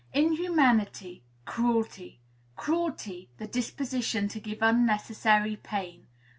/# "Inhumanity Cruelty. Cruelty The disposition to give unnecessary pain."